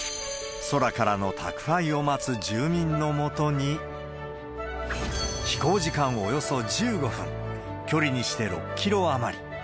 空からの宅配を待つ住民のもとに、飛行時間およそ１５分、距離にして６キロ余り。